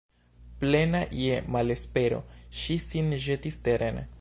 Plena je malespero, ŝi sin ĵetis teren.